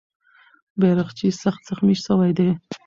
بیرغچی سخت زخمي سوی دی.